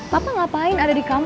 papa ngapain ada di kampung